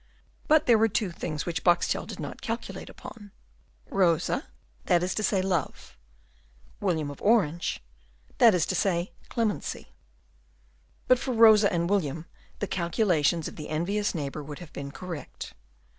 But there were two things which Boxtel did not calculate upon: Rosa, that is to say, love; William of Orange, that is to say, clemency. But for Rosa and William, the calculations of the envious neighbour would have been correct.